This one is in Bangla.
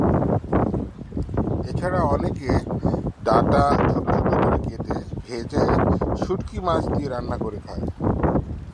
এছাড়া অনেকে ডাটা ছোট ছোট করে কেটে ভেজে শুঁটকি মাছ দিয়ে রান্না করে খায়।